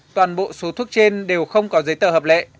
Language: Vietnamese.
toàn bộ số thuốc trên đều không có giấy tờ hợp lệ